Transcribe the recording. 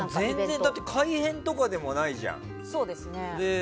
だって、改編とかでもないじゃん。